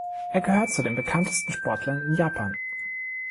Er gehört zu den bekanntesten Sportlern in Japan.